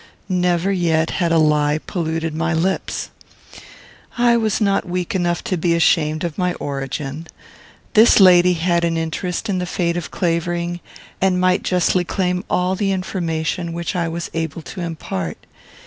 Never yet had a lie polluted my lips. I was not weak enough to be ashamed of my origin. This lady had an interest in the fate of Clavering, and might justly claim all the information which I was able to impart.